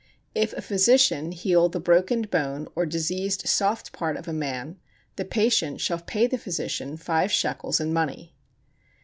If a physician heal the broken bone or diseased soft part of a man, the patient shall pay the physician five shekels in money.